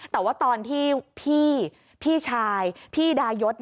แต่ว่าตอนที่พี่ชายพี่ดายศ